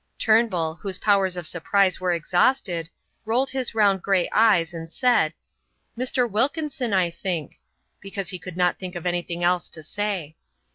Turnbull, whose powers of surprise were exhausted, rolled his round grey eyes and said, "Mr. Wilkinson, I think," because he could not think of anything else to say.